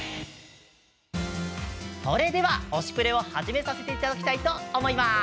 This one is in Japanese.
それでは「推しプレ！」を始めさせていただきたいと思います。